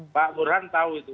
pak burhan tahu itu